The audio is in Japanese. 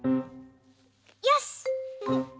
よし！